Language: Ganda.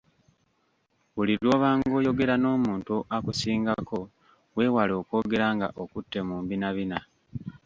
Buli lw’obanga oyogera n’omuntu akusingako weewale okwogera nga okutte mu mbinabina.